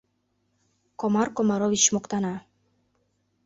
— Комар Комарович моктана.